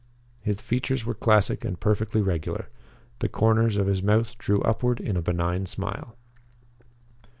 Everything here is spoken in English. The features were classic and perfectly regular. The corners of his mouth drew upward in a benign smile.